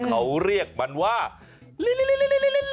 เขาเรียกมันว่า